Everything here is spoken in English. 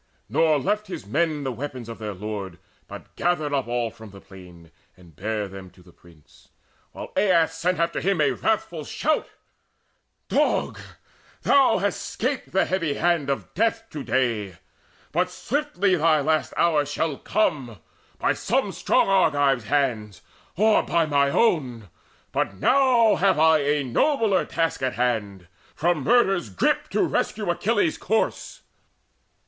Nor left his men The weapons of their lord, but gathered up All from the plain, and bare them to the prince; While Aias after him sent a wrathful shout: "Dog, thou hast 'scaped the heavy hand of death To day! But swiftly thy last hour shall come By some strong Argive's hands, or by mine own, But now have I a nobler task in hand, From murder's grip to rescue Achilles' corse."